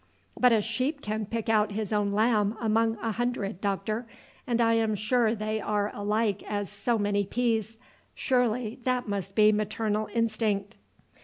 "But a sheep can pick out his own lamb among a hundred, doctor, and I am sure they are alike as so many peas. Surely that must be maternal instinct?"